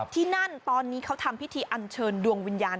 ที่นั่นตอนนี้เขาทำพิธีอันเชิญดวงวิญญาณ